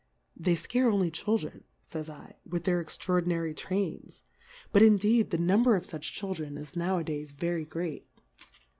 They fcare only Children, [ays /, with their extraordinary Train ; but in deed, the Number of fuch Children is n jw a days very great.